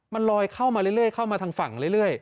มันลอยเข้ามาเรื่อยเข้ามาทางฝั่งเรื่อย